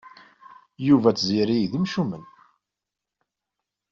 Yuba d Tiziri d imcumen.